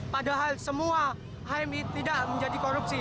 padahal semua hmi tidak menjadi korupsi